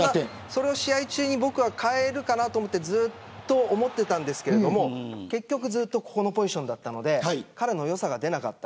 試合中に変えるかなと思っていたんですけれど結局ずっとここのポジションだったので彼の良さが出なかった。